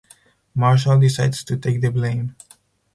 Marshall decides to take the blame.